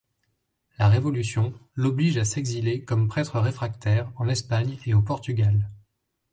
La Révolution l'oblige à s'exiler comme prêtre réfractaire en Espagne et au Portugal.